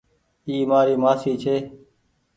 اي مآري مآسي ڇي۔